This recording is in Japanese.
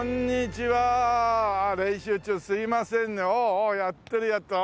おおやってるやってる。